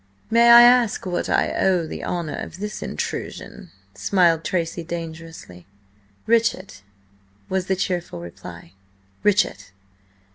"May I ask to what I owe the honour of this intrusion?" smiled Tracy dangerously. "Richard," was the cheerful reply, "Richard."